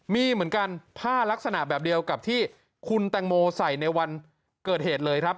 มีเหมือนกันผ้าลักษณะแบบเดียวกับที่คุณแตงโมใส่ในวันเกิดเหตุเลยครับ